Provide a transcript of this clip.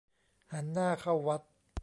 หันหน้าเข้าวัด